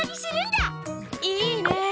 いいねえ！